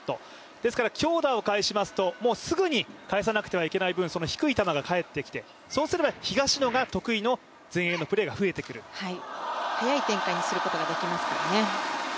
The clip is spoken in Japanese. ですから、強打を返しますとすぐに返さないといけない分その低い球が返ってきて、そうすれば東野が得意な前衛でのプレーが速い展開にすることができます。